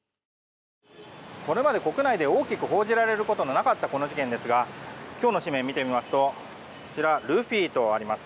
これまで国内で大きく報じられることのなかったこの事件ですが今日の紙面を見てみますとルフィとあります。